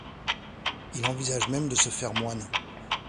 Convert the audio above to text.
Il envisage même de se faire moine.